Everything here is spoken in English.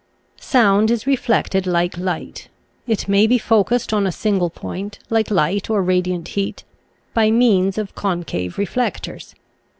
Sound is reflected like light. It may be focussed on a single point, like light or radiant heat, by means of concave reflectors.